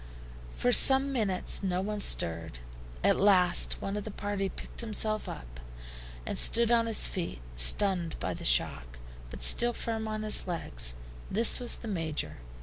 For some minutes no one stirred. At last one of the party picked himself up, and stood on his feet, stunned by the shock, but still firm on his legs. This was the Major.